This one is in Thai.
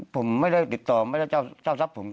ผมไม่ได้ติดต่อเจ้าทรัพย์ผม